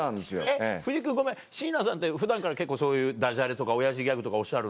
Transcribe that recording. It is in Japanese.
藤木君ごめん椎名さんって普段から結構そういうダジャレとかオヤジギャグとかおっしゃるの？